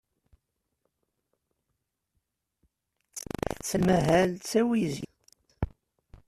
Tettmahal d tawizit.